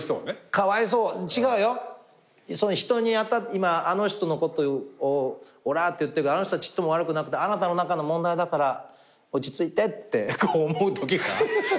今あの人のことを「おらぁ！」って言ってるけどあの人はちっとも悪くなくてあなたの中の問題だから落ち着いてって思うときがあるんだけど。